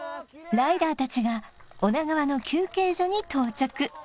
ライダー達が女川の休憩所に到着